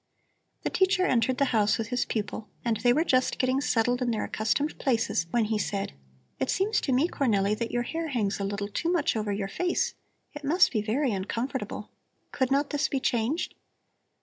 The teacher entered the house with his pupil, and they were just getting settled in their accustomed places when he said: "It seems to me, Cornelli, that your hair hangs a little too much over your face. It must be very uncomfortable. Could not this be changed?"